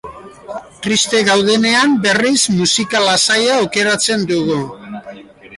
Triste gaudenean, berriz, musika lasaia aukeratzen dugu.